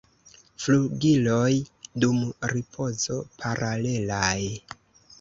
Flugiloj dum ripozo paralelaj.